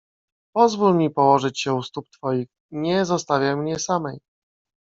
Pozwól mi położyć się u stóp twoich, nie zostawiaj mnie samej!